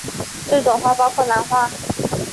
这种花包括兰花。